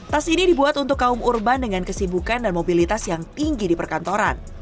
tas ini dibuat untuk kaum urban dengan kesibukan dan mobilitas yang tinggi di perkantoran